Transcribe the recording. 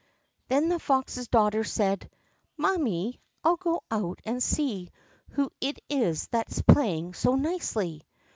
Then the fox's daughter said: "Mammy, I'll go out and see who it is that is playing so nicely!"